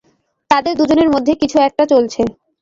তাদের দুজনের মধ্যে কিছু একটা চলছে।